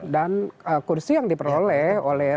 dan kursi yang diperoleh